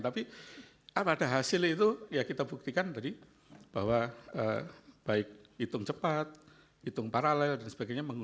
tapi pada hasil itu ya kita buktikan tadi bahwa baik hitung cepat hitung paralel dan sebagainya